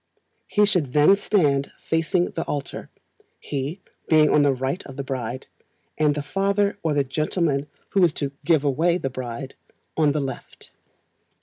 He and she then stand facing the altar, he being on the right of the bride, and the father or the gentleman who is to "give away" the bride, on the left.